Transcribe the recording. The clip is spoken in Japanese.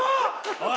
おい！